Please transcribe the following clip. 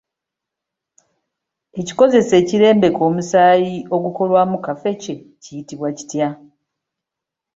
Ekikozeso ekirembeka omusaayi ogukolwamu kaffecce kiyitibwa kitya?